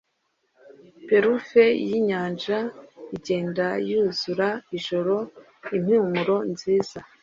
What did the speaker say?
Parufe yinyanja igenda yuzura ijoro impumuro nziza